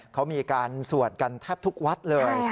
เขามีการสวดกันแทบทุกวัดเลย